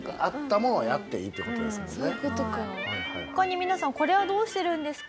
他に皆さんこれはどうしてるんですか？